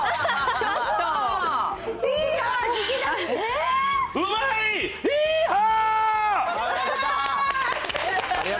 ちょっと！